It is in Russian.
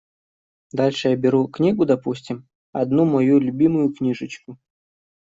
Дальше я беру книгу, допустим, одну мою любимую книжечку.